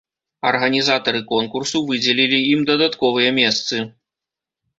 Арганізатары конкурсу выдзелілі ім дадатковыя месцы.